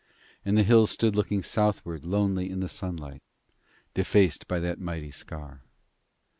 And the hill stood looking southwards lonely in the sunlight, defaced by that mighty scar.